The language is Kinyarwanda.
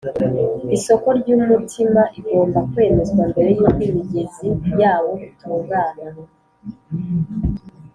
”Isoko y’umutima igomba kwezwa mbere yuko imigezi yawo itungana